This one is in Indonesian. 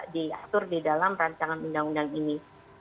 diatur di dalam rancangan undang undang ini